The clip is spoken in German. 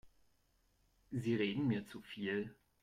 Sie reden mir zu viel.